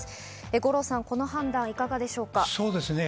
五郎さん、この判断いかがでしょうか？